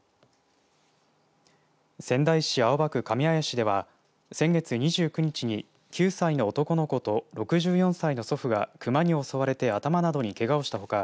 仙台市青葉区上愛子では先月２９日に９歳の男の子と６４歳の祖父がクマに襲われて頭などにけがをしたほか